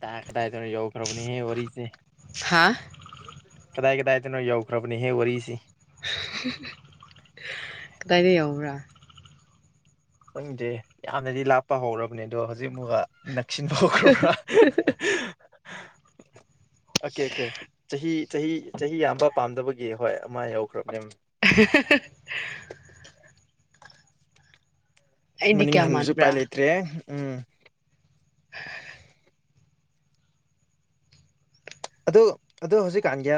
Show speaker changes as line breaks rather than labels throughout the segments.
ꯇꯥ ꯇꯥꯏ ꯌꯧ ꯈꯔꯅꯤ ꯍꯦ ꯋꯥꯔꯤꯔꯤꯁꯦ
ꯍꯥ
ꯀꯗꯥꯏ ꯀꯗꯥꯏꯗꯅꯣ ꯌꯧꯈ꯭ꯔꯕꯅꯦꯍꯦ ꯋꯥꯔꯤꯁꯤ
ꯀꯗꯥꯏꯗ ꯌꯥꯎꯕ꯭ꯔꯥ
ꯀꯪꯗꯦ ꯌꯥꯝꯅꯗꯤ ꯂꯥꯞꯄ ꯍꯧꯔꯕꯅꯦ ꯑꯗꯣ ꯍꯧꯖꯤꯛ ꯃꯨꯒ ꯅꯛꯁꯤꯟ ꯐꯥꯎꯈ꯭ꯔꯣꯕꯥ ꯑꯣꯀꯦ ꯑꯣꯀꯦ ꯆꯍꯤ ꯆꯍꯤ ꯆꯍꯤ ꯌꯥꯝꯕ ꯄꯥꯝꯗꯕꯒꯤ ꯍꯣꯏ ꯑꯃ ꯌꯧꯈ꯭ꯔꯕ ꯃꯦꯝ
[inaudible] ꯑꯩꯗꯤ
ꯃꯅꯤꯡ
ꯀꯌꯥ
ꯍꯟꯕꯁꯨ ꯎꯄꯥꯏ
ꯃꯥꯟꯕ꯭ꯔꯥ
ꯂꯩꯇ꯭ꯔꯦ ꯎꯝ
[inaudible]
ꯑꯣ ꯑꯗ ꯍꯧꯖꯤꯛꯀꯥꯟꯒꯤ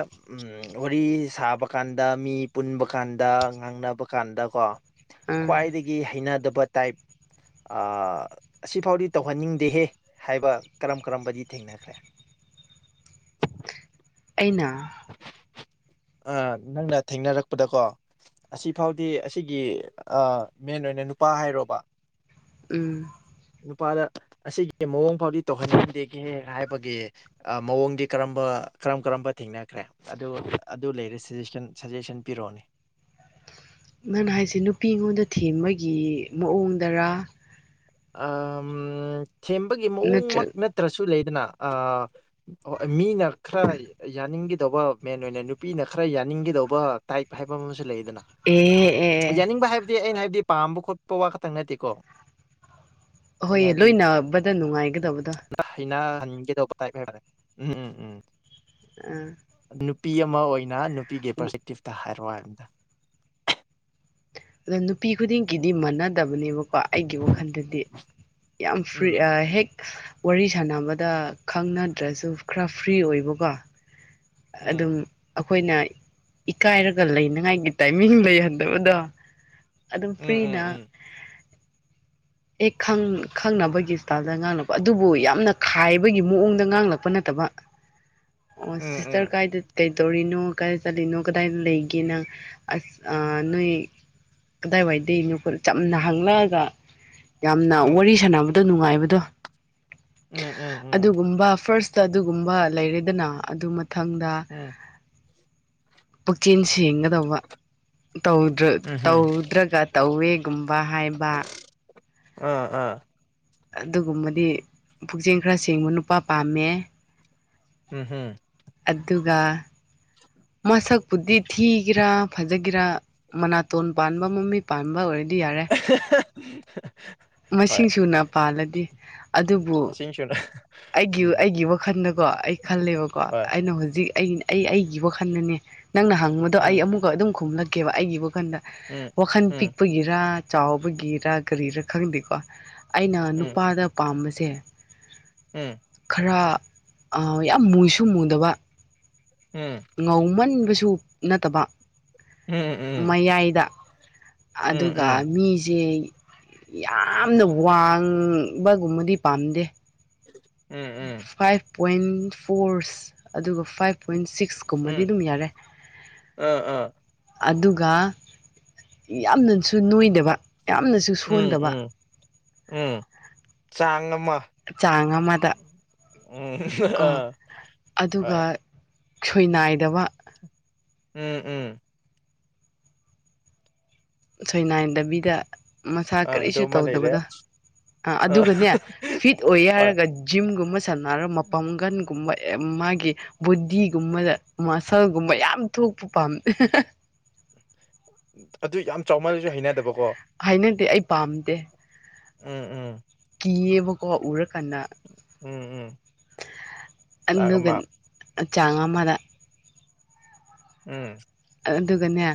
ꯋꯥꯔꯤ ꯁꯥꯕ ꯀꯥꯟꯗ ꯃꯤ ꯄꯨꯟꯕ ꯀꯥꯟꯗ ꯉꯥꯡꯅꯕ ꯀꯥꯟꯗꯀꯣ
ꯑꯥ
ꯈ꯭ꯋꯥꯏꯗꯒꯤ ꯍꯩꯅꯗꯕ ꯇꯥꯏꯞ ꯑꯁꯤꯐꯥꯎꯗꯤ ꯇꯧꯍꯟꯅꯤꯡꯗꯦꯍꯦ ꯍꯥꯏꯕ ꯀꯔꯝ ꯀꯔꯝꯕꯗꯤ ꯊꯦꯡꯅꯈ꯭ꯔꯦ
ꯑꯩꯅ
ꯑ ꯅꯪꯅ ꯊꯦꯡꯅꯔꯛꯄꯗꯀꯣ ꯑꯁꯤ ꯐꯥꯎꯗꯤ ꯑꯁꯤꯒꯤ ꯃꯦꯟ ꯑꯣꯏꯅ ꯅꯨꯄꯥ ꯍꯥꯏꯔꯣꯕ
ꯎꯝ
ꯅꯨꯄꯥꯗ ꯑꯁꯤꯒꯤ ꯃꯑꯣꯡ ꯐꯥꯎꯗꯤ ꯇꯧꯍꯟꯅꯤꯡꯗꯦꯒꯦ ꯍꯥꯏꯕꯒꯤ ꯃꯑꯣꯡꯗꯤ ꯀꯔꯝꯕ ꯀꯔꯝ ꯀꯔꯝꯕ ꯊꯦꯡꯅꯈ꯭ꯔꯦ ꯑꯗꯨ ꯑꯗꯨ ꯂꯩꯔꯦ ꯁꯖꯦꯁꯟ ꯁꯖꯦꯁꯟ ꯄꯤꯔꯛꯑꯣꯅꯦ
ꯅꯅ ꯍꯥꯏꯁꯦ ꯅꯨꯄꯤ ꯑꯩꯉꯣꯟꯗ ꯊꯦꯝꯕꯒꯤ ꯃꯑꯣꯡꯗꯔ
ꯑ ꯁꯦꯝꯕꯒꯤ ꯃꯑꯣꯡꯃꯛ
ꯅꯠꯇ꯭ꯔꯒ
ꯅꯠꯇ꯭ꯔꯁꯨ ꯂꯩꯗꯅ ꯑ ꯑꯣ ꯃꯤꯅꯈ꯭ꯔꯌꯦ ꯌꯥꯅꯤꯡꯈꯤꯗꯧꯕ ꯃꯦꯟ ꯑꯣꯏꯅ ꯅꯨꯄꯤꯅ ꯈꯔ ꯌꯥꯅꯤꯡꯈꯤꯗꯧꯕ ꯇꯥꯏꯞ ꯍꯥꯏꯕ ꯑꯃꯁꯨ ꯂꯩꯔꯤ ꯑꯗꯨꯅ
ꯑꯦ ꯑꯦ
ꯌꯥꯅꯤꯡꯕ ꯍꯥꯏꯕꯗꯤ ꯑꯩꯅ ꯍꯥꯏꯕꯗꯤ ꯄꯥꯝꯕ ꯈꯣꯠꯄ ꯋꯥ ꯈꯛꯇꯪ ꯅꯠꯇꯦꯀꯣ
ꯑꯍꯣꯏꯌꯦ ꯂꯣꯏꯅꯕꯗ ꯅꯨꯡꯉꯥꯏꯒꯗꯕꯗꯣ
ꯑꯩꯅ ꯅꯤꯡꯒꯦꯗꯧꯕꯧꯕꯇꯥꯏꯕꯦꯔꯦ ꯎꯝꯝ ꯎꯝ
ꯎꯝ
ꯅꯨꯄꯤ ꯑꯃ ꯑꯣꯏꯅ ꯅꯨꯄꯤꯒꯤ ꯄꯔꯁꯄꯦꯛꯇꯤꯞꯇ ꯍꯥꯏꯔꯛꯑꯣ ꯍꯥꯏꯕꯝꯗ
ꯑꯗꯣ ꯅꯨꯄꯤ ꯈꯨꯗꯤꯡꯒꯤꯗꯤ ꯃꯥꯟꯅꯗꯕꯅꯦꯕꯀꯣ ꯑꯩꯒꯤ ꯋꯥꯈꯜꯗꯗꯤ ꯌꯥꯝ ꯐꯔꯤ
ꯎꯝ
ꯍꯦꯛ ꯋꯥꯔꯤ ꯁꯥꯟꯅꯕꯗ ꯈꯪꯅꯗ꯭ꯔꯁꯨ ꯈꯔ ꯐ꯭ꯔꯤ ꯑꯣꯏꯕꯀꯣ ꯑꯗꯨꯝ
ꯎꯝ
ꯑꯩꯈꯣꯏꯅ ꯏꯀꯥꯏꯔꯒ ꯂꯩꯅꯉꯥꯏꯒꯤ ꯇꯥꯏꯃꯤꯡ ꯂꯩꯍꯟꯗꯕꯗꯣ ꯑꯗꯨꯝ
ꯎꯝ
ꯐ꯭ꯔꯤꯅ
ꯎꯝ
ꯑꯦ ꯈꯪꯅꯕꯒꯤ ꯏꯁꯇꯥꯏꯜꯗ ꯉꯥꯡꯂꯛꯄ ꯑꯗꯨꯕꯨ ꯌꯥꯝꯅ ꯈꯥꯏꯕꯒꯤ ꯃꯑꯣꯡꯗ ꯉꯥꯡꯂꯛꯄ ꯅꯠꯇꯕ
[inaudible]
ꯑꯣ ꯁꯤꯁꯇꯔ
ꯎꯝ
ꯀꯥꯏꯗ ꯀꯩꯗꯧꯔꯤꯅꯣ ꯀꯗꯥꯏ ꯆꯠꯂꯤꯅꯣ ꯀꯗꯥꯏꯗ ꯂꯩꯒꯦꯅ ꯑꯁ ꯅꯣꯏ ꯀꯗꯥꯏ ꯋꯥꯏꯗꯗꯒꯤꯅꯣꯈꯣꯏ ꯆꯝꯅ ꯍꯪꯂꯛꯑꯒ ꯌꯥꯝꯅ
ꯎꯝ
ꯋꯥꯔꯤ ꯁꯥꯟꯅꯕꯗꯣ ꯅꯨꯡꯉꯥꯏꯕꯗꯣ
ꯎꯝ ꯎꯝ ꯎꯝ
ꯑꯗꯨꯒꯨꯝꯕ ꯐꯥꯔꯁꯇ ꯑꯗꯨꯒꯨꯝꯕ ꯂꯩꯔꯦꯗꯅ ꯑꯗꯨ ꯃꯊꯪꯗ
ꯎꯝ
ꯑꯣ ꯀꯦꯁꯤꯦ ꯧꯕ
ꯎꯝꯍꯨꯝ
ꯇꯧꯗ꯭ꯔꯒ ꯇꯧꯋꯦꯒꯨꯝꯕ ꯍꯥꯏꯕ
ꯑ ꯑꯥ
ꯑꯗꯨꯒꯨꯝꯕꯗꯤ ꯄꯨꯛꯆꯦꯜ ꯈꯔ ꯁꯦꯡꯕ ꯅꯨꯄꯥ ꯄꯥꯝꯃꯦ
ꯎꯝ ꯍꯝ
ꯑꯗꯨꯒ
[inaudible]
ꯃꯁꯛꯄꯨꯗꯤ ꯊꯤꯒꯦꯔꯥ ꯐꯖꯒꯤꯦꯔꯥ ꯃꯅꯥꯇꯣꯟ ꯄꯥꯟꯕ ꯃꯃꯤ ꯄꯥꯟꯕ ꯑꯣꯏꯔꯗꯤ ꯌꯥꯔꯦ
[inaudible]
ꯃꯁꯤꯡꯁꯨꯨꯅ ꯄꯥꯜꯂꯗꯤ ꯑꯗꯨꯕꯨ
ꯇꯤꯟ ꯆꯣ
ꯑꯩꯒꯤ ꯑꯩꯒꯤ ꯋꯥꯈꯜꯗꯀꯣ ꯑꯩ ꯈꯜꯂꯦꯕꯀꯣ
ꯍꯣꯏ
ꯑꯩꯅ ꯍꯧꯖꯤꯛ ꯑꯩꯅ ꯑꯩ ꯑꯩꯒꯤ ꯋꯥꯈꯜꯗꯅꯦ ꯅꯪꯅ ꯍꯪꯕꯗꯣ ꯑꯩ
ꯎꯝ
ꯑꯃꯨꯛꯀ ꯑꯗꯨꯝ ꯈꯨꯝꯂꯛꯀꯦꯕ ꯑꯩꯒꯤ ꯋꯥꯈꯜꯗ
ꯎꯝ
ꯋꯥꯈꯜ
ꯎꯝ
ꯄꯤꯛꯄꯒꯤꯔ ꯆꯥꯎꯕꯒꯤꯔ ꯀꯔꯤꯔꯥ ꯈꯪꯗꯦꯀꯣ ꯑꯩꯅ
ꯎꯝ ꯎꯝ
ꯅꯨꯄꯥꯗ ꯄꯥꯝꯕꯁꯦ
ꯎꯝ
ꯈꯔ ꯌꯥꯝ ꯃꯨꯁꯨ ꯃꯨꯗꯕ
ꯎꯝ
ꯉꯧꯃꯟꯕꯁꯨ ꯅꯠꯇꯕ
ꯎꯝ ꯎꯝ
ꯃꯌꯥꯏꯗ
ꯎꯝ
ꯑꯗꯨꯒ ꯃꯤꯁꯦ ꯌꯥꯝꯅ ꯋꯥꯡꯕꯒꯨꯝꯕꯗꯤ ꯄꯥꯝꯗꯦ
ꯎꯝ ꯎꯝ
ꯐꯥꯏꯚ ꯄꯣꯏꯟ ꯐꯣꯔꯁ ꯑꯗꯨꯒ ꯐꯥꯏꯚ ꯄꯣꯏꯟ ꯁꯤꯛꯁ ꯀꯨꯝꯕꯗꯤ
ꯎꯝ
ꯑꯗꯨꯝ ꯌꯥꯔꯦ
ꯑꯥ ꯑꯥ
ꯑꯗꯨꯒ ꯌꯥꯝꯅꯁꯨ ꯅꯣꯏꯗꯕ ꯌꯥꯝꯅꯁꯨ
ꯎꯝ
ꯁꯣꯟꯗꯕ
ꯎꯝ ꯎꯝ ꯆꯥꯡ ꯑꯃ
ꯆꯥꯡ ꯑꯃꯗ
ꯎꯝ
ꯀꯣ
ꯑꯥ ꯍꯣꯏ
ꯑꯗꯨꯒ ꯁꯣꯏ ꯅꯥꯏꯗꯕ
ꯎꯝ ꯎꯝ
ꯁꯣꯏꯅꯥꯏꯟꯗꯕꯤꯗ ꯃꯁꯥ
ꯑꯥ
ꯀꯔꯤꯁꯨ
ꯑꯗꯨ ꯑꯃ ꯂꯩꯔꯦ
ꯇꯧꯗꯕꯗꯣ ꯑꯥ ꯑꯗꯨꯒꯅꯦ ꯐꯤꯠ ꯑꯣꯏꯦ
ꯍꯣꯏ
ꯍꯥꯏꯔꯒ ꯖꯤꯝꯒꯨꯝꯕ ꯁꯟꯅꯔ ꯃꯄꯥꯝꯒꯟꯒꯨꯝꯕ ꯑꯦ ꯃꯥꯒꯤ ꯕꯣꯗꯤꯒꯨꯝꯃꯗ ꯃꯁꯜꯒꯨꯝꯕ ꯌꯥꯝ ꯊꯣꯛꯄ ꯄꯥꯝꯃꯦ
ꯑꯗꯨ ꯌꯥꯝ ꯆꯥꯎꯃꯜꯂꯖꯨ ꯍꯩꯅꯗꯕꯀꯣ
ꯍꯩꯅꯗꯦ ꯑꯩ ꯄꯥꯝꯗꯦ
ꯎꯝ ꯎꯝ
ꯀꯤꯌꯦꯕꯀꯣ ꯎꯔꯀꯥꯟꯗ
ꯎꯝ ꯎꯝ ꯆꯥꯛ
ꯑꯗꯨꯒ
ꯑꯃ
ꯆꯥꯡ ꯑꯃꯗ
ꯎꯝ
ꯑꯗꯨꯒꯅꯦ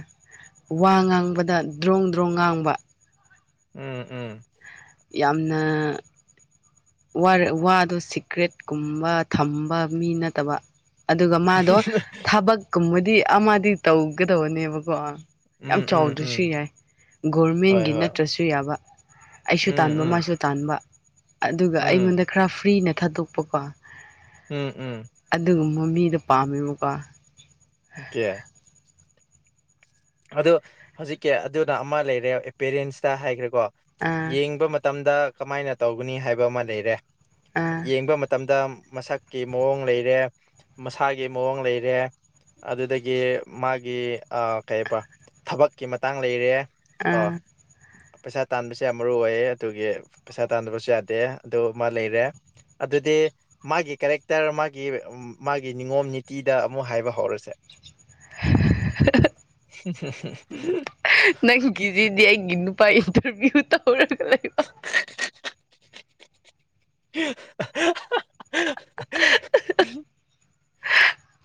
ꯋꯥ ꯉꯥꯡꯕꯗ ꯗ꯭ꯔꯣꯡ ꯗ꯭ꯔꯣꯡ ꯉꯥꯡꯕ
ꯎꯝ ꯎ
ꯌꯥꯝꯅ ꯋꯥꯗꯣ ꯁꯤꯀ꯭ꯔꯦꯠꯀꯨꯝꯕ ꯊꯝꯕ ꯃꯤ ꯅꯠꯇꯕ ꯑꯗꯨꯒ ꯃꯥꯗꯣ ꯊꯕꯛꯀꯨꯝꯕꯗꯤ ꯑꯃꯗꯤ ꯇꯧꯒꯗꯧꯕꯅꯦꯕꯀꯣ ꯌꯥꯝ
ꯎꯝ ꯎꯝ ꯎꯝ
ꯆꯥꯎꯗ꯭ꯔꯁꯨ ꯌꯥꯏ
ꯍꯣꯏ
ꯒꯣꯔꯃꯦꯟꯒꯤ
ꯍꯣꯏ
ꯅꯠꯇ꯭ꯔꯁꯨ ꯌꯥꯕ ꯑꯩꯁꯨ
ꯎꯝ
ꯇꯥꯟꯕ
ꯎꯝ
ꯃꯥꯁꯨ ꯇꯥꯟꯕ ꯑꯗꯨꯒ
ꯎꯝ
ꯑꯩꯉꯣꯟꯗ ꯈꯔ ꯐ꯭ꯔꯤꯅ ꯊꯥꯗꯣꯛꯄꯀꯣ
ꯎꯝ ꯎꯝ
ꯑꯗꯨꯒꯨꯝꯕ ꯃꯤꯗꯣ ꯄꯥꯝꯃꯦꯕꯀꯣ
ꯀꯦꯌꯥ ꯑꯗ ꯍꯧꯖꯤꯛꯀꯤ ꯑꯗꯨꯅ ꯑꯃ ꯂꯩꯔꯦ ꯑꯦ ꯄꯦꯔꯦꯟꯁꯇ ꯍꯥꯏꯈ꯭ꯔꯦꯀꯣ
ꯑꯥ
ꯌꯦꯡꯕ ꯃꯇꯝꯗ ꯀꯃꯥꯏꯅ ꯇꯧꯒꯅꯤ ꯍꯥꯏꯕ ꯑꯃ ꯂꯩꯔꯦ
ꯑꯥ
ꯌꯦꯡꯕ ꯃꯇꯝꯗ ꯃꯁꯛ ꯀꯤ ꯃꯑꯣꯡ ꯂꯩꯔꯦ ꯃꯁꯥꯒꯤ ꯃꯑꯣꯡ ꯂꯩꯔꯦ ꯑꯗꯨꯗꯒꯤ ꯃꯥꯒꯤ ꯑꯥ ꯀꯩꯑꯕ ꯊꯕꯛꯀꯤ ꯃꯇꯥꯡ ꯂꯩꯔꯦ ꯑꯣ
ꯑꯥ
ꯄꯩꯁꯥ ꯇꯥꯟꯕꯁꯦ ꯌꯥꯝ ꯃꯔꯨꯑꯣꯏꯑꯦ ꯑꯗꯨꯒꯤ ꯄꯩꯁꯥ ꯇꯥꯟꯗꯕꯁꯨ ꯌꯥꯗꯦ ꯑꯗꯨ ꯃꯥ ꯂꯩꯔꯦ ꯑꯗꯨꯗꯤ ꯃꯥꯒꯤ ꯀꯦꯔꯦꯛꯇꯔ ꯃꯥꯒꯤ ꯃꯥꯒꯤ ꯅꯤꯉꯣꯝ ꯅꯤꯇꯤꯗ ꯑꯃꯨꯛ ꯍꯥꯏꯕ ꯍꯧꯔꯁꯦ
[unintelligible]
[unintelligible]
ꯅꯪꯒꯤꯗꯨꯗꯤ ꯑꯩꯒꯤ ꯅꯨꯄꯥ ꯏꯟꯇꯔꯚꯤꯌꯨ ꯇꯧꯔꯒ ꯂꯩꯕ
[unintelligible] [unintelligible]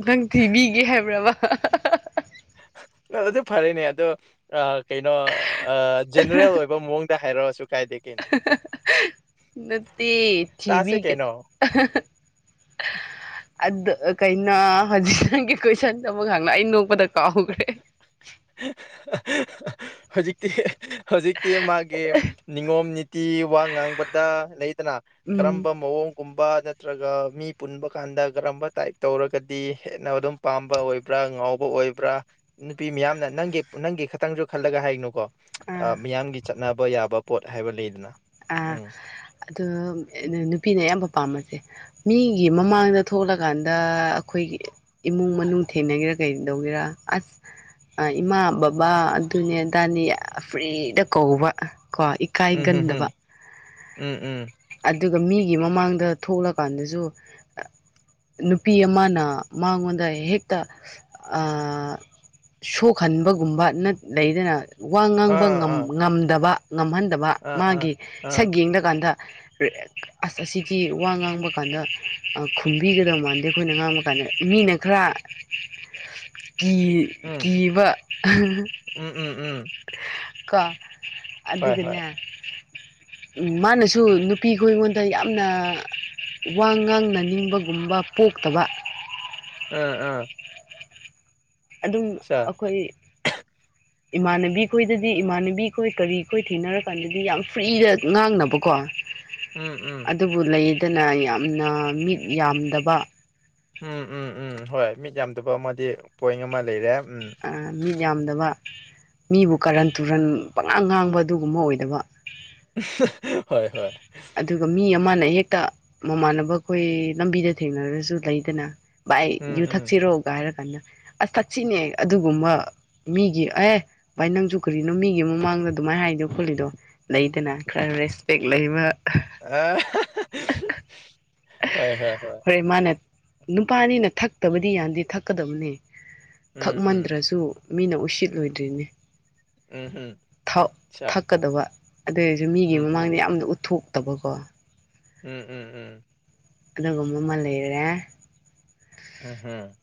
ꯅꯪ ꯊꯤꯕꯤꯒꯦ ꯍꯥꯏꯕ꯭ꯔꯕ
ꯑ-ꯑꯗꯨ ꯐꯔꯦꯅꯦ ꯑꯗꯣ ꯀꯩꯅꯣ ꯖꯦꯅꯔꯦꯜ ꯑꯣꯏꯕ ꯃꯑꯣꯡ ꯍꯥꯏꯔꯣꯁꯨ ꯀꯥꯏꯗꯦ ꯀꯩꯅꯣ
[unintelligible] ꯅꯠꯇꯦ
ꯇꯥꯁꯦ
ꯊꯤꯕꯤꯒ [unintelligible]
ꯀꯩꯅꯣ [inaudible]
ꯑꯗ ꯀꯩꯅꯣ ꯍꯖꯤꯛ ꯅꯪꯒꯤ ꯀꯣꯏꯁꯟꯗ ꯑꯃꯨꯛ ꯍꯪꯅ ꯑꯩ ꯅꯣꯛꯄꯗ ꯀꯥꯎꯈ꯭ꯔꯦ
[unintelligible] ꯍꯧꯖꯤꯛꯇꯤ ꯍꯧꯖꯤꯛ ꯇꯤ ꯃꯥꯒꯤ ꯅꯤꯉꯣꯝ ꯅꯤꯇꯤ ꯋꯥ ꯉꯥꯡꯕꯗ ꯂꯩꯗꯅ
ꯎꯝ
ꯀꯔꯝꯕ ꯃꯑꯣꯡ ꯒꯨꯝꯕ ꯅꯠꯇ꯭ꯔꯒ ꯃꯤ ꯄꯨꯟꯕ ꯀꯥꯟꯗ ꯀꯔꯝꯕ ꯇꯥꯏꯞ ꯇꯧꯔꯒꯗꯤ ꯍꯦꯟꯅ ꯑꯗꯨꯝ ꯄꯥꯝꯕ ꯑꯣꯏꯕ꯭ꯔꯥ ꯉꯥꯎꯕ ꯑꯣꯏꯕ꯭ꯔꯥ ꯅꯨꯄꯤ ꯃꯌꯥꯝ ꯅ ꯅꯪꯒꯤ ꯅꯪꯒꯤ ꯈꯇꯪꯖꯨ ꯈꯜꯂꯒ ꯍꯥꯏꯒꯅꯨꯀꯣ ꯑ
ꯑꯥ
ꯃꯤꯌꯥꯝꯒꯤ ꯆꯠꯅꯕ ꯌꯥꯕ ꯄꯣꯠ ꯍꯥꯏꯕ ꯂꯩꯗꯅ
ꯑꯥ
ꯎꯝ
ꯑꯗꯣ ꯅꯨꯄꯤꯅ ꯑꯌꯥꯝꯕ ꯄꯥꯝꯃꯁꯦ ꯃꯤꯒꯤ ꯃꯃꯥꯡꯗ ꯊꯣꯛꯂꯀꯥꯟꯗ ꯑꯈꯣꯏꯒꯤ ꯏꯃꯨꯡ ꯃꯅꯨꯡ ꯊꯦꯡꯅꯒꯦꯔꯥ ꯀꯩꯗꯧꯒꯦꯔ ꯑꯁ ꯑ ꯏꯃꯥ ꯕꯕꯥ ꯑꯗꯨꯅꯦ ꯑꯗꯥꯅꯤ ꯑꯥ ꯐ꯭ꯔꯤꯗ ꯀꯧꯕ ꯀꯣ ꯢ
ꯎꯝꯍꯨꯝꯍꯨꯝ ꯎꯝ ꯎꯝ
ꯑꯗꯨꯒ ꯃꯤꯒꯤ ꯃꯃꯥꯡꯗ ꯊꯣꯛꯂꯀꯥꯟꯗꯖꯨ [unintelligible] ꯅꯨꯄꯤ ꯑꯃꯅ ꯃꯉꯣꯟꯗ ꯍꯦꯛꯇ ꯁꯣꯛꯍꯟꯕꯒꯨꯝꯕ ꯂꯩꯗꯅ ꯋꯥ ꯉꯥꯡꯕ
ꯑꯥ ꯑꯥ
ꯉꯝꯗꯕ ꯉꯝꯍꯟꯗꯕ
ꯑꯥ ꯑꯥ
ꯃꯥꯒꯤ
ꯑꯥ
ꯁꯛ ꯌꯦꯡꯗꯀꯥꯟꯗ ꯑꯁ ꯑꯁꯤꯒꯤ ꯋꯥ ꯉꯥꯡꯕ ꯀꯥꯟꯗ ꯈꯨꯝꯕꯤꯒꯗꯕ ꯃꯥꯟꯗꯦ ꯑꯩꯈꯣꯏꯅ ꯉꯥꯡꯕ ꯀꯥꯟꯗ ꯃꯤꯅ ꯈꯔꯥ
[inaudible]
ꯀꯤ
ꯎꯝ
ꯀꯤꯕ
ꯎꯝ ꯎꯝ ꯎꯝ
ꯀꯣ
ꯍꯣꯏ ꯍꯣꯏ
ꯑꯗꯨꯒꯅꯦ ꯃꯥꯅꯁꯨ ꯅꯨ ꯅꯨꯄꯤꯈ ꯑꯩꯉꯣꯟꯗ ꯌꯥꯝꯅ ꯋꯥ ꯉꯥꯡꯅ ꯅꯤꯡꯕꯒꯨꯝꯕ ꯄꯣꯛꯇꯕ
ꯑ ꯑ
ꯑꯗꯨꯝ ꯑꯈꯣꯏ
[inaudible]
ꯏꯃꯥꯟꯅꯕꯤꯈꯣꯏꯗꯗꯤ ꯏꯃꯥꯟꯅꯕꯤꯈꯣꯏ ꯀꯔꯤꯈꯣꯏ ꯊꯦꯡꯅꯔꯀꯥꯟꯗꯗꯤ ꯌꯥꯝ ꯐ꯭ꯔꯤꯗ ꯉꯥꯡꯅꯕꯀꯣ
ꯎꯝ ꯎꯝ
ꯑꯗꯨꯕꯨ ꯂꯩꯗꯅ ꯌꯥꯝꯅ ꯃꯤꯠ ꯌꯥꯝꯗꯕ
ꯎꯝ ꯎꯝ ꯎꯝ ꯍꯣꯏ ꯃꯤꯠ ꯌꯥꯝꯗꯕ ꯑꯃꯗꯤ ꯄꯣꯏꯟ ꯑꯃ ꯂꯩꯔꯦ ꯎꯝ
ꯃꯤꯠ ꯌꯥꯝꯗꯕ ꯃꯤꯕꯨ ꯀꯥꯔꯟ ꯇꯨꯔꯟ ꯄꯉꯥꯡ ꯉꯥꯡꯕ ꯑꯗꯨꯒꯨꯝꯕ ꯑꯣꯏꯗꯕ
[unintelligible] ꯍꯣꯏ ꯍꯣꯏ
ꯑꯗꯨꯒ ꯃꯤ ꯑꯃꯅ ꯍꯦꯛꯇ ꯃꯃꯥꯟꯅꯕꯈꯣꯏ ꯂꯝꯕꯤꯗ ꯊꯦꯡꯅꯔꯖꯨ ꯂꯩꯗꯅ ꯕꯥꯥꯏ
ꯎꯝ
ꯌꯨ
ꯎꯝ
ꯊꯛꯁꯤꯔꯣꯒ ꯍꯥꯏꯔ ꯀꯥꯟꯗ ꯑꯁ ꯊꯛꯁꯤꯅꯦ ꯑꯗꯨꯒꯨꯝꯕ ꯃꯤꯒꯤ ꯑꯦ ꯚꯥꯏ ꯅꯪꯁꯨ ꯀꯔꯤꯅꯣ ꯃꯤꯒꯤ ꯃꯃꯥꯡꯗ ꯑꯗꯨꯃꯥꯏꯅ ꯍꯥꯏꯗꯣ ꯈꯣꯠꯂꯤꯗꯣ ꯂꯩꯗꯅ ꯈꯔ ꯔꯦꯁꯄꯦꯛ ꯂꯩꯕ
ꯑ ꯍꯣꯏ ꯍꯣꯏ ꯍꯣꯏ
ꯐꯦ ꯃꯥꯅ ꯅꯨꯄꯥ ꯑꯅꯤꯅ ꯊꯛꯇꯕꯗꯤ ꯌꯥꯗꯦ ꯊꯛꯀꯗꯕꯅꯦ
ꯎꯝ ꯎꯝ
ꯊꯛꯃꯟꯗ꯭ꯔꯁꯨ ꯃꯤꯅ ꯎꯁꯤꯠꯂꯣꯏꯗ꯭ꯔꯤꯅꯦ
ꯎꯝ ꯎꯝꯆꯥ
ꯊꯣꯛꯀꯗꯕ ꯑꯗꯨꯔꯁꯨ ꯃꯤꯒꯤ ꯃꯃꯥꯡꯗ ꯌꯥꯝꯅ ꯎꯠꯊꯣꯛꯇꯕꯀꯣ
ꯎꯝ ꯎꯝ ꯎꯝ
ꯑꯗꯨꯒꯨꯝꯕ ꯑꯃ ꯂꯩꯔꯦ
ꯎꯝ ꯍꯝ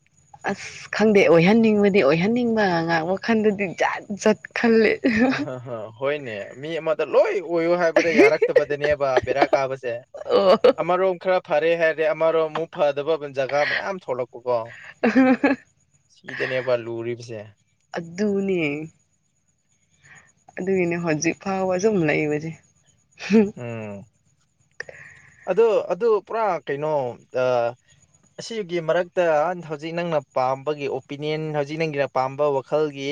ꯑꯁ ꯈꯪꯗꯦ ꯑꯣꯏꯍꯟꯅꯤꯡꯕꯗꯤ ꯑꯣꯏꯍꯟꯅꯤꯡꯕ ꯉꯥꯡ ꯃꯈꯜꯗꯗꯤ ꯖꯥꯠ ꯖꯠ ꯈꯜꯂꯦ
ꯑ ꯍꯥ ꯍꯥ ꯍꯣꯏꯅꯦ ꯃꯤ ꯑꯃꯗ ꯂꯣꯏ ꯑꯣꯏꯌꯨ ꯍꯥꯏꯕꯗ ꯌꯥꯔꯛꯇꯕꯗꯅꯦꯕ ꯕꯦꯔꯥ ꯀꯥꯕꯁꯦ
ꯑꯣ
ꯑꯃꯔꯣꯝ ꯈꯔ ꯐꯔꯦ ꯍꯥꯏꯔꯗꯤ ꯑꯃꯔꯣꯝ ꯑꯃꯨꯛ ꯐꯗꯕ ꯖꯒꯥ ꯃꯌꯥꯝ ꯊꯣꯛꯂꯛꯄꯀꯣ ꯁꯤꯗꯅꯦꯕ ꯂꯨꯔꯤꯕꯁꯦ
ꯑꯗꯨꯅꯦ ꯑꯗꯨꯒꯤꯅꯦ ꯍꯧꯖꯤꯛ ꯐꯥꯎꯕ ꯁꯨꯝ ꯂꯩꯕꯁꯦ
ꯎꯝ ꯑꯗꯨ ꯑꯗꯨ ꯄꯨꯔꯥ ꯀꯩꯅꯣ ꯑ ꯑꯁꯤꯒꯤ ꯃꯔꯛꯇ ꯍꯧꯖꯤꯛ ꯅꯪꯅ ꯄꯥꯝꯕꯒꯤ ꯑꯣꯄꯤꯅꯤꯌꯟ ꯍꯧꯖꯤꯛ ꯅꯪꯒꯤꯅ ꯄꯥꯝꯕ ꯋꯥꯈꯜꯒꯤ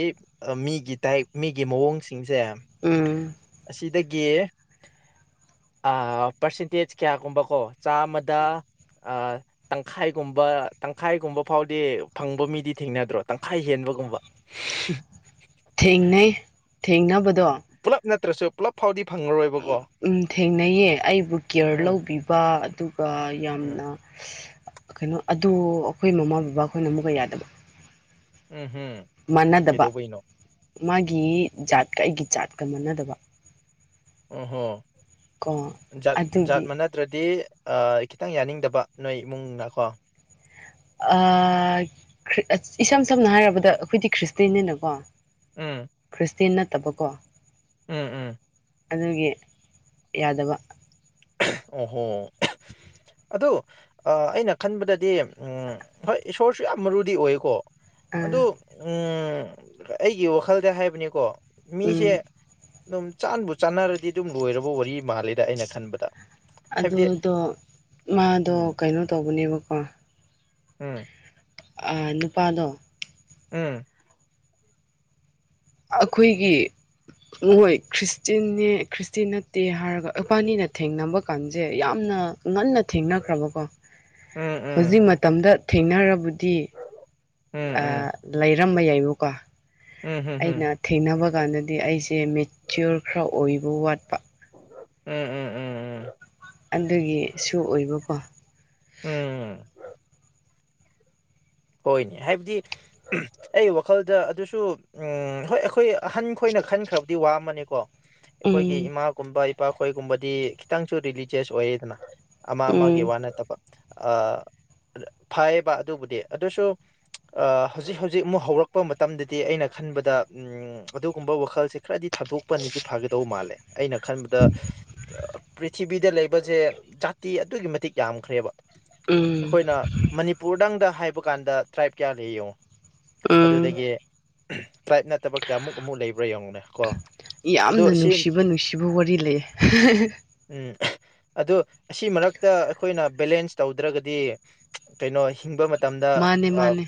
ꯃꯤꯒꯤ ꯇꯥꯏ ꯃꯤꯒꯤ ꯃꯑꯣꯡꯁꯤꯡꯁꯦ
ꯎꯝ
ꯑꯁꯤꯗꯒꯤ ꯄꯥꯔꯁꯦꯟꯇꯦꯖ ꯀꯌꯥꯒꯨꯝꯕꯀꯣ ꯆꯥꯝꯃꯗ ꯇꯪꯈꯥꯏꯒꯨꯝꯕ ꯇꯪꯈꯥꯏꯒꯨꯝꯕ ꯐꯥꯎꯗꯤ ꯐꯪꯕ ꯃꯤꯗꯤ ꯊꯦꯡꯅꯗ꯭ꯔꯣ ꯇꯪꯈꯥꯏ ꯍꯦꯟꯕꯒꯨꯝꯕ ꯎꯝ
ꯊꯦꯡꯅꯩ ꯊꯦꯡꯅꯕꯗꯣ
ꯄꯨꯂꯞ ꯅꯠꯇ꯭ꯔꯁꯨ ꯄꯨꯂꯞ ꯐꯥꯎꯗꯤ ꯐꯪꯉꯔꯣꯏ
ꯊꯦꯡꯅꯩꯌꯦ ꯑꯩꯕꯨ ꯀꯤꯌꯔ
ꯎꯝ
ꯂꯧꯕꯤꯕ ꯑꯗꯨꯒ
ꯎꯝ
ꯌꯥꯝꯅ ꯀꯩꯅꯣ ꯑꯗꯨ ꯑꯩꯈꯣꯏ ꯃꯃꯥ ꯕꯕꯥ ꯑꯩꯈꯣꯏꯅ ꯑꯃꯨꯛꯀ ꯌꯥꯗꯕ
ꯎꯝ ꯍꯝ
ꯃꯥꯟꯅꯗꯕ
ꯀꯩꯗꯧꯕꯩꯅꯣ
ꯃꯥꯒꯤ ꯖꯥꯠꯀ ꯑꯩꯒꯤ ꯖꯥꯠꯀ ꯃꯥꯟꯅꯗꯕ
ꯑꯣ ꯍꯣ
ꯀꯣ
ꯖꯠ
ꯑꯗꯨꯒꯤ
ꯃꯅꯥꯗꯕ ꯑꯗꯨꯗꯤ ꯈꯤꯇꯪ ꯌꯥꯅꯤꯡꯗꯕ ꯅꯣꯏ ꯏꯃꯨꯡꯅ ꯀꯣ
ꯏꯁꯝ ꯁꯝꯅ ꯍꯥꯏꯔꯕꯗ ꯑꯩꯈꯣꯏꯗꯤ ꯈ꯭ꯔꯤꯁꯇꯟꯅꯤꯅꯀꯣ
ꯎꯝ
ꯈ꯭ꯔꯤꯁꯇꯦꯟ ꯅꯠꯇꯕꯀꯣ
ꯎꯝ ꯎꯝ
ꯑꯗꯨꯒꯤ ꯌꯥꯗꯕ
ꯑꯣꯍꯣ ꯑꯗꯨ ꯑꯩꯅ ꯈꯟꯕꯗꯗꯤ ꯍꯣꯏ ꯏꯁꯣꯔꯁꯨ ꯌꯥꯝ ꯃꯔꯨꯗꯤ ꯑꯣꯏꯀꯣ
ꯑꯥ
ꯑꯗꯨ ꯑꯩꯒꯤ ꯋꯥꯈꯜꯗ ꯍꯥꯏꯕꯅꯤꯀꯣ
ꯎꯝ
ꯃꯤꯁꯦ ꯑꯗꯨꯝ ꯆꯥꯟꯕꯨ ꯆꯥꯟꯅꯔꯗꯤ ꯑꯗꯨꯝ ꯂꯣꯏꯔꯕ ꯋꯥꯔꯤ ꯃꯥꯂꯦꯗ ꯑꯩꯅ ꯈꯟꯕꯗ ꯍꯥꯏꯕꯗꯤ
ꯑꯗꯨꯗꯣ ꯃꯥꯗꯣ
ꯎꯝ
ꯀꯩꯅꯣ ꯇꯧꯕꯅꯦꯕꯀꯣ
ꯎꯝ
ꯅꯨꯄꯥꯗꯣ
ꯎꯝ
ꯑꯩꯈꯣꯏꯒꯤ ꯃꯣꯏ ꯈ꯭ꯔꯤꯁꯇꯟꯅꯦ ꯈ꯭ꯔꯤꯁꯇꯦꯟ ꯅꯠꯇꯦ ꯍꯥꯏꯔꯒ ꯏꯕꯥꯅꯤꯅ ꯊꯦꯡꯅꯕ ꯀꯥꯟꯁꯦ ꯌꯥꯝꯅ ꯉꯟꯅ ꯊꯦꯡꯅꯈ꯭ꯔꯕꯀꯣ
ꯎꯝ
ꯍꯧꯖꯤꯛ
ꯎꯝ
ꯃꯇꯝꯗ ꯊꯦꯡꯅꯔꯕꯨꯗꯤ
ꯎꯝ ꯎꯝ
ꯂꯩꯔꯝꯕ ꯌꯥꯏꯕꯨꯀꯣ
ꯎꯝ ꯍꯝ
ꯑꯩꯅ
ꯍꯝ
ꯊꯦꯡꯅꯕ ꯀꯥꯟꯗꯗꯤ ꯑꯩꯁꯦ ꯃꯦꯆ꯭ꯌꯣꯔ ꯈꯔ ꯑꯣꯏꯕ ꯋꯥꯠꯄ
ꯎꯝ ꯎꯝ ꯎꯝ
ꯑꯗꯨꯒꯤꯁꯨ ꯑꯣꯏꯕꯀꯣ
ꯎꯝ ꯍꯣꯏꯅꯦ ꯍꯥꯏꯕꯗꯤ ꯑꯩ ꯋꯥꯈꯜꯗ ꯑꯗꯨꯁꯨ ꯎꯝ ꯍꯣꯏ ꯑꯩꯈꯣꯏ ꯑꯍꯟ ꯈꯣꯏꯅ ꯈꯟꯈ꯭ꯔꯕꯗꯤ ꯋꯥꯃꯅꯦꯀꯣ ꯑꯩꯈꯣꯏꯒꯤ
ꯎꯝ
ꯏꯃꯥꯒꯨꯝꯕ ꯏꯄꯥꯈꯣꯏꯒꯨꯝꯕꯗꯤ ꯈꯤꯇꯪꯁꯨ ꯔꯤꯂꯤꯖꯤꯁ ꯑꯣꯏꯌꯦꯗꯅ ꯑꯃ ꯑꯃꯒꯤ
ꯎꯝ
ꯋꯥ ꯅꯠꯇꯕ ꯐꯩꯌꯦꯕ ꯑꯗꯨꯕꯨꯗꯤ ꯑꯗꯨꯁꯨ ꯍꯧꯖꯤꯛ ꯍꯧꯖꯤꯛ ꯑꯃꯨꯛ ꯍꯧꯔꯛꯄ ꯃꯇꯝꯗꯗꯤ ꯑꯩꯅ ꯈꯟꯕꯗ ꯎꯝ ꯑꯗꯨꯒꯨꯝꯕ ꯋꯥꯈꯜꯁꯦ ꯈꯔꯗꯤ ꯊꯥꯗꯣꯛꯄꯅꯤꯗꯤ ꯐꯒꯗꯧ ꯃꯥꯜꯂꯦ ꯑꯩꯅ ꯈꯟꯕꯗ ꯄ꯭ꯔꯤꯊꯤꯕꯤꯗ ꯂꯩꯕꯁꯦ ꯖꯥꯇꯤ ꯑꯗꯨꯛꯀꯤ ꯃꯇꯤꯛ ꯌꯥꯝꯈ꯭ꯔꯦꯕ
ꯎꯝ
ꯑꯩꯈꯣꯏꯅ ꯃꯅꯤꯄꯨꯔꯗꯪꯗ ꯍꯥꯏꯕ ꯀꯥꯟꯗ ꯇ꯭ꯔꯥꯏꯞ ꯀꯌꯥ ꯂꯩ ꯌꯦꯡꯉꯣ
ꯎꯝ
ꯑꯗꯨꯗꯒꯤ ꯇ꯭ꯔꯥꯏꯞ ꯅꯠꯇꯕ ꯀꯌꯥꯃꯨꯛ ꯑꯃꯨꯛ ꯂꯩꯕ꯭ꯔꯥ ꯌꯦꯡꯉꯨꯅꯦ ꯀꯣ ꯑꯗꯣ
ꯌꯥꯝꯅ
ꯑꯁꯤ
ꯅꯨꯡꯁꯤꯕ ꯅꯨꯡꯁꯤꯕ ꯋꯥꯔꯤ ꯂꯩꯌꯦ
ꯎꯝ ꯑꯗꯨ ꯑꯁꯤ ꯃꯔꯛꯇ ꯑꯩꯈꯣꯏꯅ ꯕꯦꯂꯦꯟꯁ ꯇꯧꯗ꯭ꯔꯒꯗꯤ ꯀꯩꯅꯣ ꯍꯤꯡꯕ ꯃꯇꯝꯗ
ꯃꯥꯅꯦ ꯃꯥꯅꯦ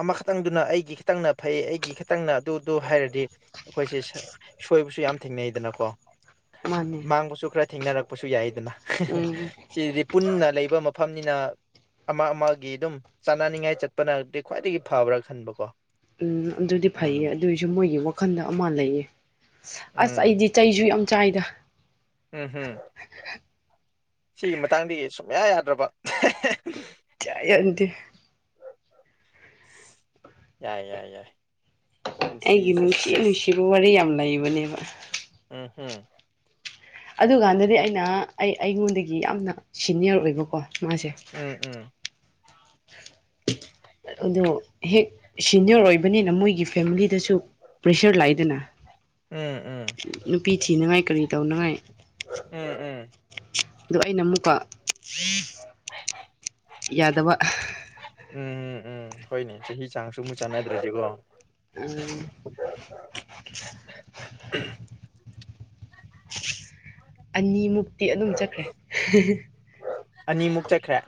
ꯑꯃꯈꯛꯇꯪꯗꯨꯅ ꯑꯩꯒꯤ ꯈꯤꯇꯪꯅ ꯐꯩ ꯑꯩꯒꯤ ꯈꯤꯇꯪꯅ ꯑꯗꯨꯗꯨ ꯍꯥꯏꯔꯗꯤ ꯑꯩꯈꯣꯏꯁꯦ ꯁꯣꯏꯕꯁꯨ ꯌꯥꯝ ꯊꯦꯡꯅꯩꯗꯅꯀꯣ
ꯃꯥꯅꯦ
ꯥꯃꯪꯕꯁꯨ ꯈꯔ ꯊꯦꯡꯅꯔꯛꯄꯁꯨ ꯌꯥꯏꯗꯅ
ꯎꯝ
ꯁꯤꯗꯤ ꯄꯨꯟꯅ ꯂꯩꯕ ꯃꯐꯝꯅꯤꯅ ꯑꯃ ꯑꯃꯒꯤ ꯒꯤ ꯑꯗꯨꯝ ꯆꯥꯅꯅꯤꯡꯉꯥꯏ ꯆꯠꯄꯅꯗꯤ ꯈ꯭ꯋꯥꯏꯗꯒꯤ ꯐꯕ꯭ꯔꯥ ꯈꯟꯕ ꯀꯣ
ꯎꯝ ꯑꯗꯨꯗꯤ ꯐꯩꯌꯦ ꯑꯗꯨꯏꯁꯨ ꯁꯨ ꯃꯣꯏꯒꯤ ꯋꯥꯈꯜꯗ ꯑꯃ ꯂꯩꯌꯦ ꯑꯁ
ꯎꯝ
ꯑꯩꯗꯤ ꯆꯩꯁꯨ ꯌꯥꯝ ꯆꯥꯏꯗ
ꯎꯝ ꯎꯝ ꯁꯤꯒꯤ ꯃꯇꯥꯡꯗꯒꯤ ꯁꯨꯡꯌꯥ ꯌꯥꯗ꯭ꯔꯕ
[unintelligible]
ꯌꯥꯏ ꯌꯥꯏ ꯌꯥꯏ
ꯑꯩꯒꯤ
ꯄꯨꯟꯁꯤꯁꯦ
ꯅꯨꯡꯁꯤ
ꯁꯦꯁ
ꯅꯨꯡꯁꯤꯕ ꯋꯥꯔꯤ ꯌꯥꯝ ꯂꯩꯕꯅꯦꯕ
ꯎꯝ ꯍꯝ
ꯑꯗꯨꯀꯥꯟꯗꯗꯤ ꯑꯩꯅ ꯑꯩ ꯑꯩꯉꯣꯟꯗꯒꯤ ꯌꯥꯝꯅ ꯁꯤꯅꯤꯌꯔ ꯑꯣꯏꯕꯀꯣ ꯃꯥꯁꯦ
ꯎꯝ ꯎꯝ
ꯑꯗꯣ ꯍꯦꯛ ꯁꯤꯅꯤꯌꯔ ꯑꯣꯏꯕꯅꯤꯅ ꯃꯣꯏꯒꯤ ꯐꯦꯃꯤꯂꯤꯗꯁꯨ ꯄ꯭ꯔꯦꯁꯔ ꯂꯥꯛꯏꯗꯅ
ꯎꯝ
ꯅꯨꯄꯤ ꯊꯤꯅꯉꯥꯏ ꯀꯔꯤ ꯇꯧꯅꯉꯥꯏ
ꯎꯝ ꯎꯝ ꯎꯝ
ꯑꯗꯨ ꯑꯩꯅ ꯑꯃꯨꯛꯀ ꯌꯥꯗꯕ
ꯎꯝ ꯎꯝ ꯍꯣꯏꯅꯦ ꯆꯍꯤ ꯆꯥꯡꯁꯨ ꯑꯃꯨꯛ ꯆꯥꯟꯅꯗ꯭ꯔꯁꯤꯀꯣ
[unintelligible] ꯑꯅꯤꯃꯨꯛꯇꯤ ꯑꯗꯨꯝ ꯆꯠꯈ꯭ꯔꯦ
ꯑꯅꯤꯃꯨꯛ ꯆꯠꯈ꯭ꯔꯦ